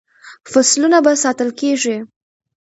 فصلونه به ساتل کیږي.